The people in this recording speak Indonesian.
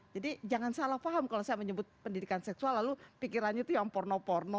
jadi jangan salah faham kalau saya menyebut pendidikan seksual lalu pikirannya itu yang porno porno